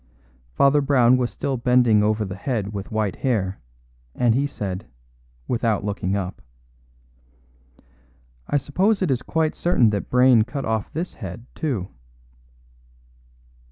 Father Brown was still bending over the head with white hair, and he said, without looking up: "I suppose it is quite certain that Brayne cut off this head, too."